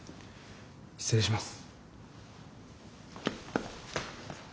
失礼します。